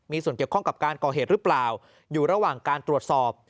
มีส่วนเกี่ยวข้องกับการก่อเหตุหรือเปล่าอยู่ระหว่างการตรวจสอบ